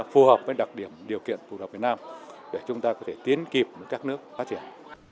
phù hợp với đặc điểm điều kiện phù hợp việt nam để chúng ta có thể tiến kịp với các nước phát triển